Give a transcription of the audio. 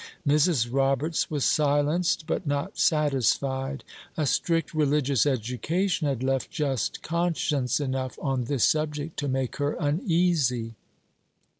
Mrs. Roberts was silenced, but not satisfied. A strict religious education had left just conscience enough on this subject to make her uneasy.